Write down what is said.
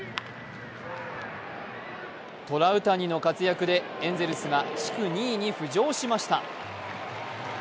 トラウタニの活躍でエンゼルスが地区２位に浮上しました。